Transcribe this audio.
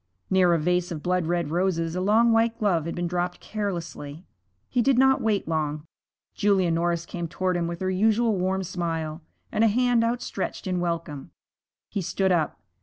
Near a vase of blood red roses a long white glove had been dropped carelessly. He did not wait long. Julia Norris came toward him with her usual warm smile, and a hand outstretched in welcome. He stood up.